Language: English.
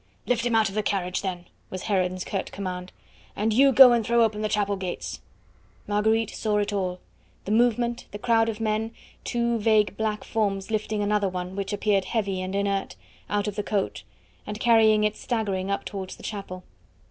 "Lift him out of the carriage, then," was Heron's curt command; "and you go and throw open the chapel gates." Marguerite saw it all. The movement, the crowd of men, two vague, black forms lifting another one, which appeared heavy and inert, out of the coach, and carrying it staggering up towards the chapel.